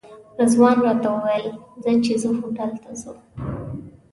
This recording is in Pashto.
رضوان راته وویل ځه چې هوټل ته ځو.